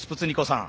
さん